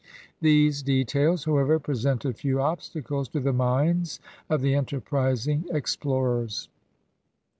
These details, however, presented few obstacles to the minds of the enterprising explorers.